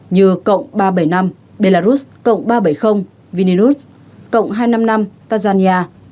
như cộng ba trăm bảy mươi năm belarus cộng ba trăm bảy mươi vinius cộng hai trăm năm mươi năm tanzania